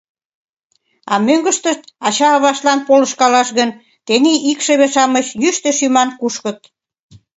А мӧҥгыштышт ача-аваштлан полышкалаш гын, тений икшыве-шамыч йӱштӧ шӱман кушкыт.